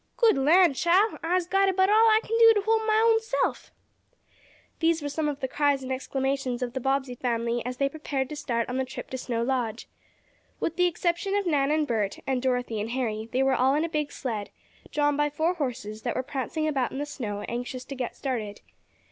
"Good lan' chile! I'se got about all I kin do to hold mah own self!" These were some of the cries and exclamations as the Bobbsey family prepared to start on the trip to Snow Lodge. With the exception of Nan and Bert, and Dorothy and Harry, they were all in a big sled, drawn by four horses that were prancing about in the snow, anxious to get started.